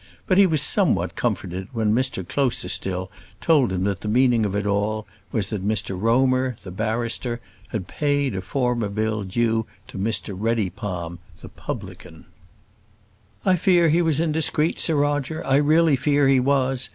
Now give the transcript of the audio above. But he was somewhat comforted when Mr Closerstil told him that the meaning of it all was that Mr Romer, the barrister, had paid a former bill due to Mr Reddypalm, the publican. "I fear he was indiscreet, Sir Roger; I really fear he was.